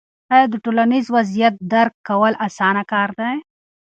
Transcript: آیا د ټولنیز وضعیت درک کول اسانه کار دی؟